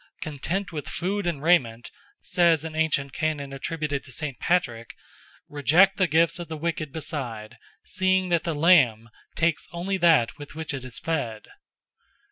"Content with food and raiment," says an ancient Canon attributed to St. Patrick, "reject the gifts of the wicked beside, seeing that the lamb takes only that with which it is fed."